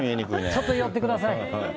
ちょっと寄ってください。